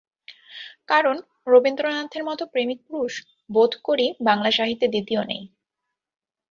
কারণ রবীন্দ্রনাথের মতো প্রেমিক পুরুষ বোধ করি বাংলা সাহিত্যে দ্বিতীয় নেই।